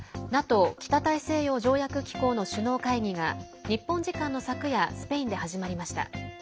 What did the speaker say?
ＮＡＴＯ＝北大西洋条約機構の首脳会議が日本時間の昨夜スペインで始まりました。